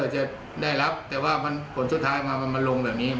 จะได้รับแต่ว่าผลสุดท้ายมามันลงแบบนี้